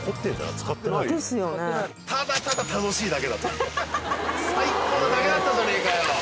ただただ楽しいだけだったね最高なだけだったじゃねえかよ！